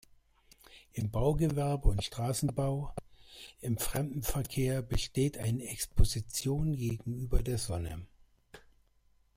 Im Baugewerbe und Straßenbau, im Fremdenverkehr besteht eine Exposition gegenüber der Sonne.